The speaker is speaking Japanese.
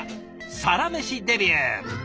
「サラメシデビュー」。